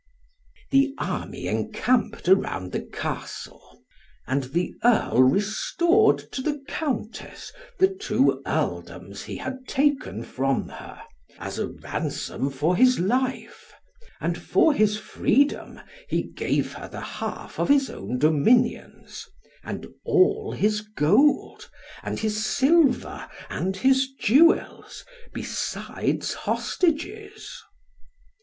The army encamped around the Castle. And the Earl restored to the Countess the two Earldoms, he had taken from her, as a ransom for his life; and for his freedom, he gave her the half of his own dominions, and all his gold, and his silver, and his jewels, besides hostages.